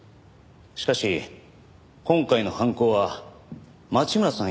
しかし今回の犯行は町村さん